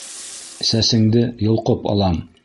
Сәсеңде йолҡоп алам!